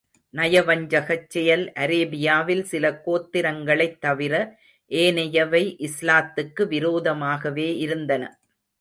நயவஞ்சகச் செயல் அரேபியாவில் சில கோத்திரங்களைத் தவிர, ஏனையவை இஸ்லாத்துக்கு விரோதமாகவே இருந்தன.